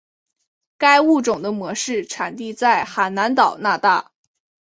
该物种的模式产地在海南岛那大。